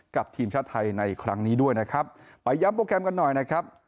กับทีมชาติไทยในครั้งนี้ด้วยนะครับไปย้ำโปรแกรมกันหน่อยนะครับ